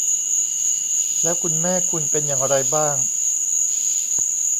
แล้วคุณแม่คุณเป็นอย่างไรบ้าง